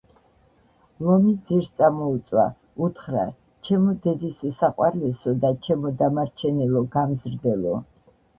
ლომი ძირს წამოუწვა, უთხრა: ჩემო დედის უსაყვარლესო და ჩემო დამარჩენელო გამზრდელო,